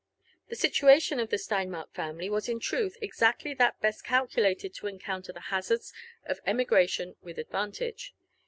The situation of the Steinmark family was in truth exactly that best calculated to encounter the hazards of emigration with advantage.